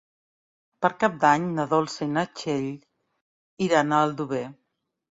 Per Cap d'Any na Dolça i na Txell iran a Aldover.